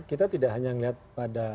kita tidak hanya melihat pada